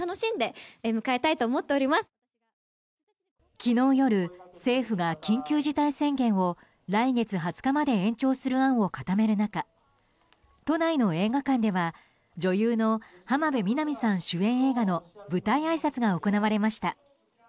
昨日夜、政府が緊急事態宣言を来月２０日まで延長する案を固める中都内の映画館では女優の浜辺美波さん主演映画の舞台あいさつが行われました。